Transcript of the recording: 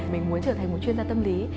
mình muốn trở thành một chuyên gia tâm lý